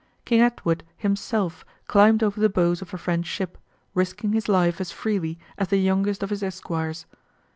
King Edward himself climbed over the bows of a French ship, risking his life as freely as the youngest of his esquires.